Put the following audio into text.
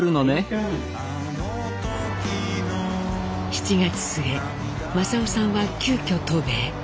７月末正雄さんは急きょ渡米。